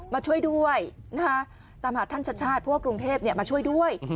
มาช่วยด้วยนะคะตามหาท่านชาติชาติพวกกรุงเทพฯเนี่ยมาช่วยด้วย